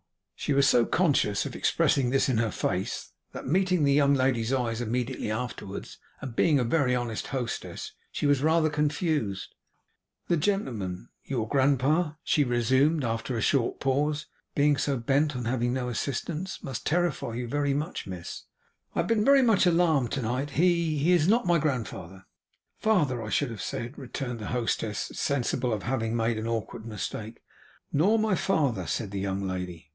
She was so conscious of expressing this in her face, that meeting the young lady's eyes immediately afterwards, and being a very honest hostess, she was rather confused. 'The gentleman your grandpapa' she resumed, after a short pause, 'being so bent on having no assistance, must terrify you very much, miss?' 'I have been very much alarmed to night. He he is not my grandfather.' 'Father, I should have said,' returned the hostess, sensible of having made an awkward mistake. 'Nor my father' said the young lady.